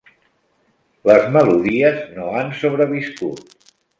Les melodies no han sobreviscut.